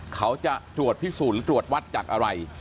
เขาจะตรวจพิสูจน์ตรวจวัดจากอะไร